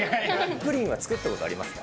プリン作ったことありますか？